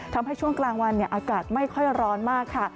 ทำให้ช่วงกลางวันอากาศไม่ค่อยร้อนมาก